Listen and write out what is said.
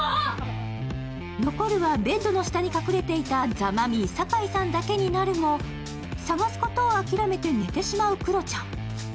残るはベッドの下に隠れていたザ・マミィ、酒井さんだけになるも探すことを諦めて寝てしまうクロちゃん。